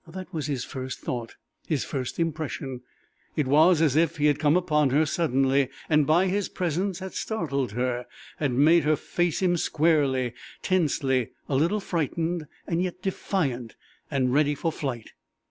That was his first thought his first impression. It was as if he had come upon her suddenly, and by his presence had startled her had made her face him squarely, tensely, a little frightened, and yet defiant, and ready for flight.